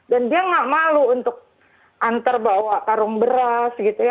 dan dia gak malu untuk antar bawa karung beras gitu ya